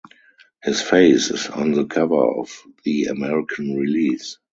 His face is on the cover of the American release.